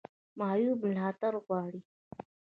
معیوب ملاتړ غواړي